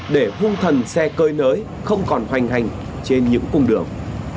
để hung thần xe cơi nới không còn hoành hành trên những cung đường